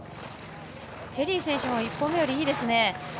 ティリー選手も１本目よりいいですね。